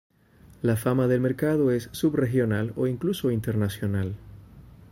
La fama del mercado es sub-regional o incluso internacional.